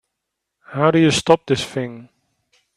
How do you stop this thing?